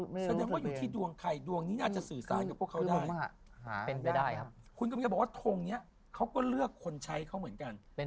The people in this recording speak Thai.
ไม่ได้รู้สึกไปเองใช่มั้ย